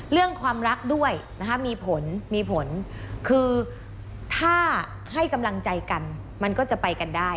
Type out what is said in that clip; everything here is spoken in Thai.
เรื่องความรักด้วยนะคะมีผลมีผลคือถ้าให้กำลังใจกันมันก็จะไปกันได้